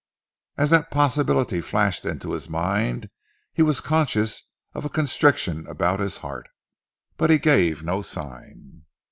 As that possibility flashed into his mind, he was conscious of a constriction about his heart. But he gave no sign.